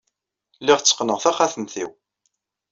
Lliɣ tteqqneɣ taxatemt-inu.